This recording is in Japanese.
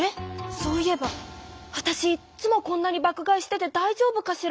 そういえばわたしいっつもこんなに爆買いしててだいじょうぶかしら？